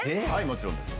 もちろんです。